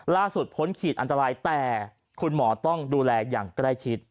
พ้นขีดอันตรายแต่คุณหมอต้องดูแลอย่างใกล้ชิด